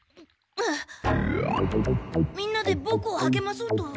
みんなでボクをはげまそうと？